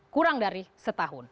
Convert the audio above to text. kurang dari setahun